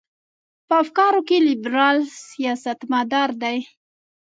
په افکارو کې لیبرال سیاستمدار دی.